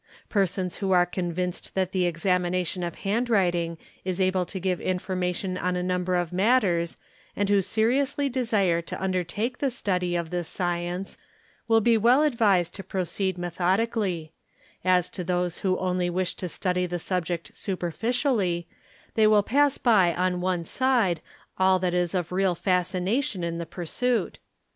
— Persons who are convinced that the examination of handwriting is able to give information on a number of matters and who seriously desire to undertake the study of this science will be well advised to proceed © methodically ; as to those who only wish to study the subject superfi cially they will pass by on one side all that is of real fascination in the pursuit.